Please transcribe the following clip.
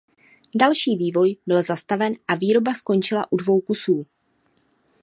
Další vývoj byl zastaven a výroba skončila u dvou kusů.